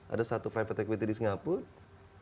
ada satu private equity di singapura